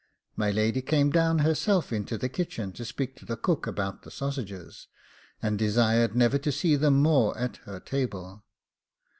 My lady came down herself into the kitchen to speak to the cook about the sausages, and desired never to see them more at her table.